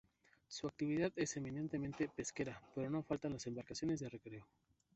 Su actividad es eminentemente pesquera pero no faltan las embarcaciones de recreo.